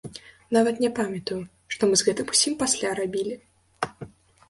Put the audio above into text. Нават не памятаю, што мы з гэтым усім пасля рабілі.